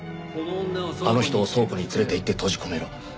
あの人を倉庫に連れていって閉じ込めろ。